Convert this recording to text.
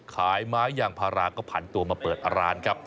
ไม้ยางพาราก็ผันตัวมาเปิดร้านครับ